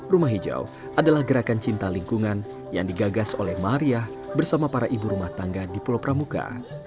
rumah hijau adalah gerakan cinta lingkungan yang digagas oleh maria bersama para ibu rumah tangga di pulau pramuka